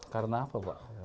karena apa pak